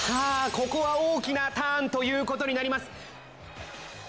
ここは大きなターンということになります。